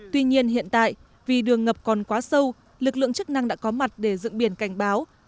tuy nhiên hiện tại vì đường ngập còn quá sâu lực lượng chức năng đã có mặt để dựng biển cảnh báo